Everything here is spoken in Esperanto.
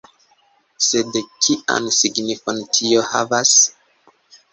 Sed kian signifon tio havas?